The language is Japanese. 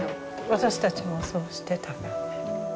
私たちもそうしてた。